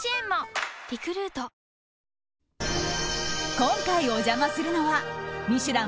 今回お邪魔するのは「ミシュラン」